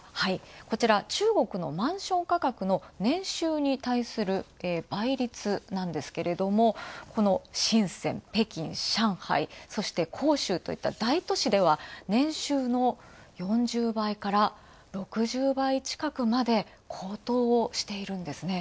こちら中国のマンション価格の年収に対する倍率なんですけれどもこの深セン、北京、上海、そして広州大都市では、年収の４０倍から６０倍近くまで高騰をしているんですね。